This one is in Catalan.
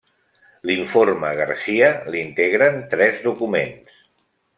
L'informe Garcia l'integren tres documents.